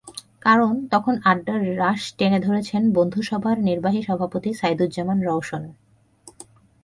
কারণ, তখন আড্ডার রাশ টেনে ধরেছেন বন্ধুসভার নির্বাহী সভাপতি সাইদুজ্জামান রওশন।